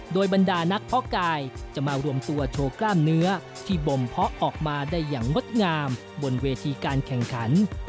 โดยบรรดานักเพาะกายจะมารวมตัวโชว์กล้ามเนื้อที่บมเพาะออกมาได้อย่างงดงามบนเวทีการแข่งขัน